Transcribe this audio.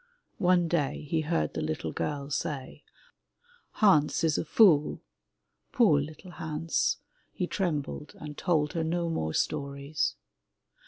One day he heard the little girl say, "Hans is a fool." Poor little Hans! He trembled and told her no more stories.